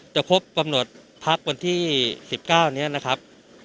จะพบปำหนดพักวันที่๑๙วันเนี่ยนะครับ